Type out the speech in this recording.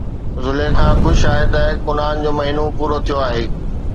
زليخا خوش آهي ته ڪنعان جو مهينو پورو ٿيو آهي